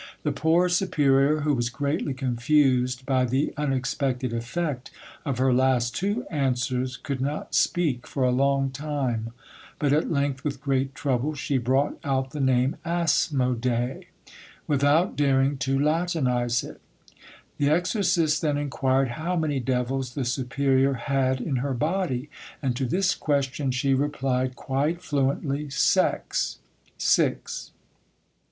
The poor superior, who was greatly confused by the unexpected effect of her last two answers, could not speak for a long time; but at length with great trouble she brought out the name Asmodee, without daring to latinise it. The exorcist then inquired how many devils the superior had in her body, and to this question she replied quite fluently: "Sex" (Six).